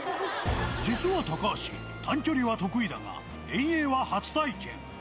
実は高橋、短距離は得意だが、遠泳は初体験。